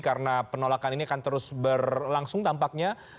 karena penolakan ini akan terus berlangsung tampaknya